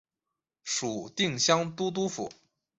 属定襄都督府。